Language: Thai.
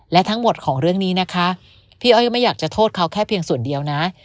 และทั้งหมดของเรื่องนี้นะคะพี่อ้อยไม่อยากจะโทษเขาแค่เพียงส่วนเดียวนะ